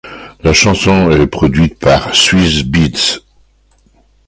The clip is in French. La chanson est produite par Swizz Beatz.